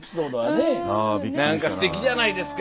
何かすてきじゃないですか。